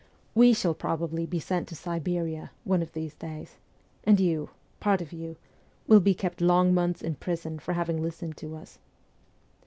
' We shall probably be sent to Siberia, one of these days ; and you part of you will be kept long months in prison for having listened to us.'